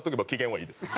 はい。